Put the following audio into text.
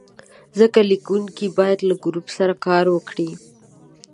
ځکه لیکونکی باید له ګروپ سره کار وکړي.